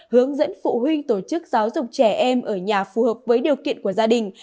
hướng dẫn phụ huynh tổ chức giáo dục trẻ em ở nhà phù hợp với điều kiện của gia đình